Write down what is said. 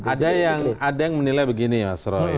ada yang menilai begini mas roy